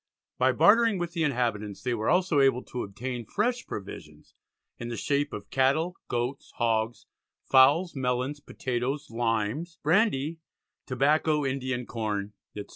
By bartering with the inhabitants they were also able to obtain fresh provisions in the shape of "Cattel, Goats, Hogs, Fowls, Melons, Potatoes, Limes, Brandy, Tobacco, Indian Corn, etc."